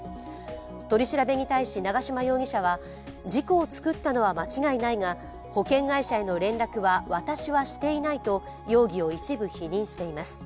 取り調べに対し長島容疑者は事故を作ったのは間違いないが保険会社への連絡は私はしていないと容疑を一部否認しています。